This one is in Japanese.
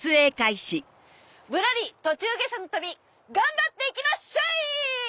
『ぶらり途中下車の旅』頑張って行きまっしょい！